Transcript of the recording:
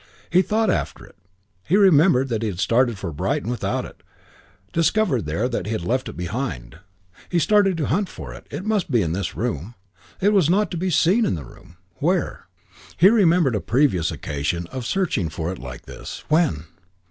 He thought after it. He remembered that he had started for Brighton without it, discovered there that he had left it behind. He started to hunt for it. It must be in this room. It was not to be seen in the room. Where? He remembered a previous occasion of searching for it like this. When?